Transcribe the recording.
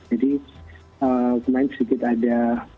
jadi kemarin sikit ada